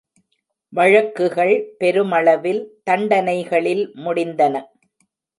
வழக்குகள் பெருமளவில் தண்டனைகளில் முடிந்தன.